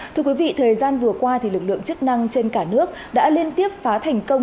thưa quý vị thời gian vừa qua lực lượng chức năng trên cả nước đã liên tiếp phá thành công